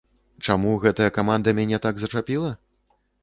Чаму гэтая каманда мяне так зачапіла?